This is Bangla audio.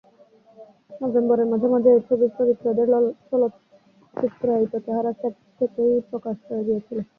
নভেম্বরের মাঝামাঝি এই ছবির চরিত্রদের চলচ্চিত্রায়িত চেহারা সেট থেকেই প্রকাশ হয়ে গিয়েছিল।